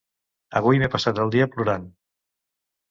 Avui m'he passat el dia plorant.